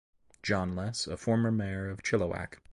John Les, a former mayor of Chilliwack.